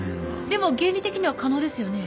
でも原理的には可能ですよね？